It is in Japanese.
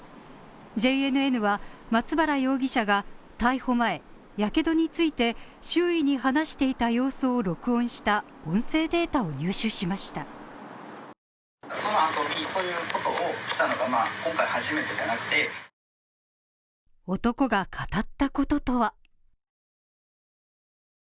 ＪＮＮは松原容疑者が逮捕前、やけどについて周囲に話していた様子を録音した音声データを入手しました。